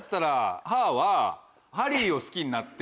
ハリーを好きになって。